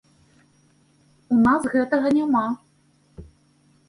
У нас гэтага няма.